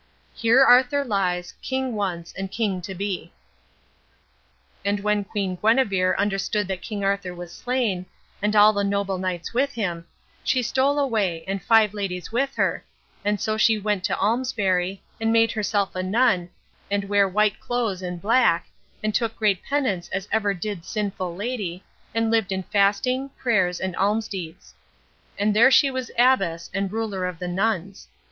Here Arthur lies, King once and King to be. And when Queen Guenever understood that King Arthur was slain, and all the noble knights with him, she stole away, and five ladies with her; and so she went to Almesbury, and made herself a nun, and ware white clothes and black, and took great penance as ever did sinful lady, and lived in fasting, prayers, and alms deeds. And there she was abbess and ruler of the nuns.